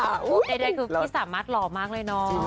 ใดคือพี่สามัสหล่อมากเลยน้อง